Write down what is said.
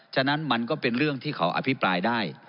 ฉะนั้นมันก็เป็นเรื่องที่เขาอภิปรายได้